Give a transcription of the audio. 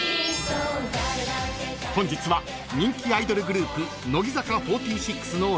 ［本日は人気アイドルグループ］